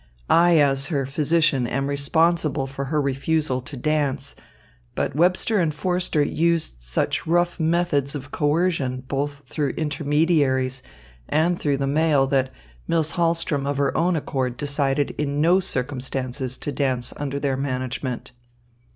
I as her physician am responsible for her refusal to dance, but Webster and Forster used such rough methods of coercion both through intermediaries and through the mail that Miss Hahlström of her own accord decided in no circumstances to dance under their management."